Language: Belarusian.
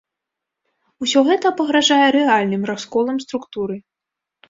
Усё гэта пагражае рэальным расколам структуры.